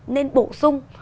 nên bổ sung